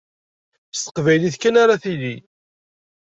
S teqbaylit kan ara tili.